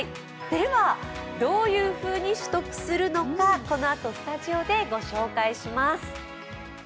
では、どういうふうに取得するのかこのあとスタジオでご紹介します。